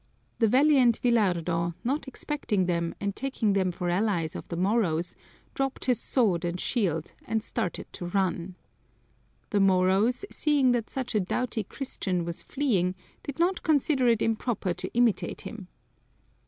The valiant Villardo, not expecting them and taking them for allies of the Moros, dropped his sword and shield, and started to run. The Moros, seeing that such a doughty Christian was fleeing, did not consider it improper to imitate him.